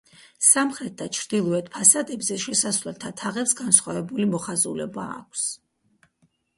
სამხრეთ და ჩრდილოეთ ფასადებზე შესასვლელთა თაღებს განსხვავებული მოხაზულობა აქვს.